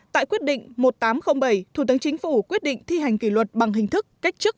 tại quyết định một nghìn tám trăm linh bảy thủ tướng chính phủ quyết định thi hành kỷ luật bằng hình thức cách chức